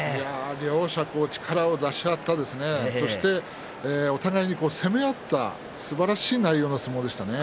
両者力を出し合ったそしてお互いに攻め合ったすばらしい内容の相撲でしたね。